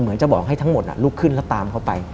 จะบอกให้ทั้งหมดลุกขึ้นแล้วตามเขาไป